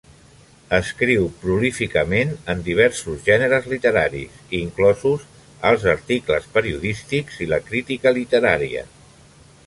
Escriu prolíficament en diversos gèneres literaris, inclosos els articles periodístics i la crítica literària.